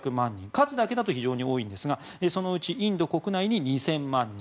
数だけだと非常に多いんですがそのうちインド国内に２０００万人